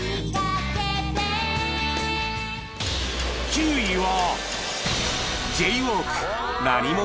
９位は